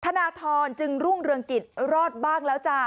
ธนทรจึงรุ่งเรืองกิจรอดบ้างแล้วจ้า